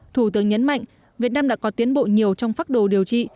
thủ tướng nhấn mạnh việt nam đã có tiến bộ nhiều trong phác đồ điều trị